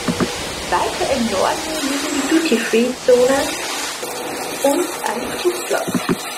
Weiter im Norden liegen die Duty-free-Zone und ein Flugplatz.